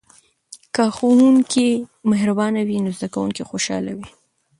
که ښوونکی مهربانه وي نو زده کوونکي خوشحاله وي.